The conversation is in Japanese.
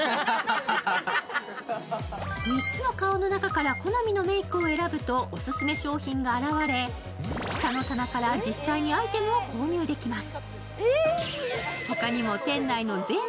３つの顔の中から好みのメイクを選ぶとおすすめ商品が現れ下の棚から実際にアイテムを購入できます。